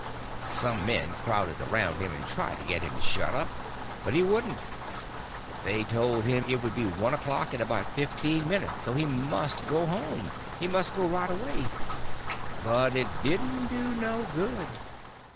Some men crowded around him and tried to get him to shut up, but he wouldn't; they told him it would be one o'clock in about fifteen minutes, and so he must go home—he must go right away. But it didn't do no good.